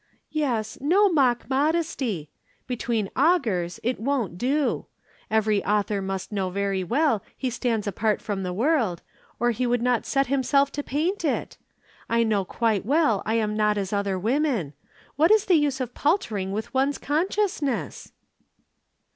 "Yes, no mock modesty. Between augurs it won't do. Every author must know very well he stands apart from the world, or he would not set himself to paint it. I know quite well I am not as other women. What is the use of paltering with one's consciousness!"